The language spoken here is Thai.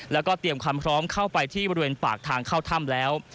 แล้วก็เตรียมความพร้อมเข้าไปที่บริเวณปากทางเข้าถ้ำแล้ว